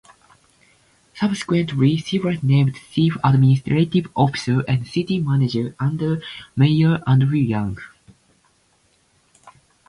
Subsequently, she was named Chief Administrative Officer and City Manager under Mayor Andrew Young.